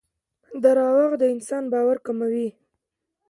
دراوغ دانسان باور کموي